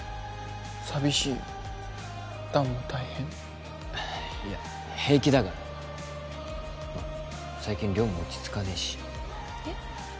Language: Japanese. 寂しい弾も大変いや平気だからまあ最近寮も落ち着かねえしえっ？